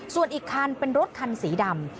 ส่วนอีกคันเป็นรถคันสีดำ